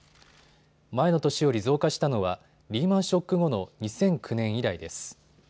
前の年より増加したのはリーマンショック後の２００９年以来です。